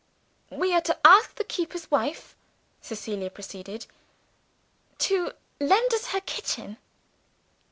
"We are to ask the keeper's wife," Cecilia proceeded, "to lend us her kitchen."